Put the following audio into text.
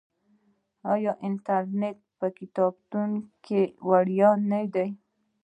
آیا انټرنیټ په کتابتون کې وړیا نه دی؟